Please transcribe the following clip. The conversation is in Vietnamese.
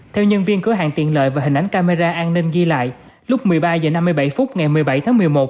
theo nhân viên cửa hàng tiện lợi và hình ảnh camera an ninh ghi lại lúc một mươi ba h năm mươi bảy phút ngày một mươi bảy tháng một mươi một